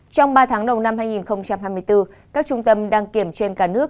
trong ba tháng đầu năm hai nghìn hai mươi bốn các trung tâm đăng kiểm trên cả nước